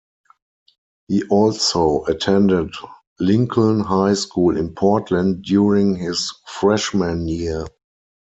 He also attended Lincoln High School in Portland during his freshman year.